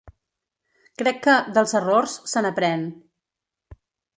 Crec que, dels errors, se n’aprèn.